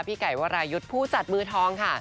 พี่ไก่วรายุทธ์ผู้จัดมือทองค่ะ